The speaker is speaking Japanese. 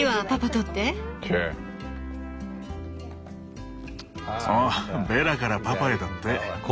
おっ「ベラからパパへ」だって。